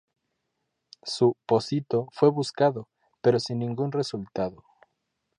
Su "pocito" fue buscado, pero sin ningún resultado.